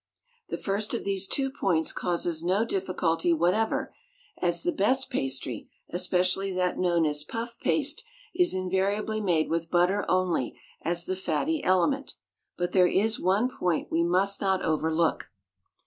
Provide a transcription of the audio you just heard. The first of these two points causes no difficulty whatever, as the best pastry, especially that known as puff paste, is invariably made with butter only as the fatty element; but there is one point we must not overlook.